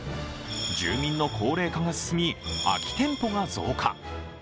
住民の高齢化が進み、空き店舗が増加。